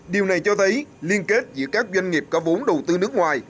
điều này cho thấy liên kết giữa các doanh nghiệp có vốn đầu tư nước ngoài